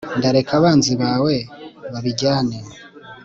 nzareka abanzi bawe babijyane